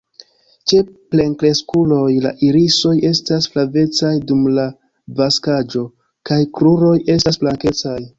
Ĉe plenkreskuloj la irisoj estas flavecaj, dum la vaksaĵo kaj kruroj estas blankecaj.